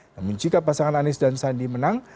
namun jika pasangan anies dan sandi menang